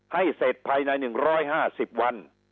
ให้เสร็จภายใน๑๕๐วัน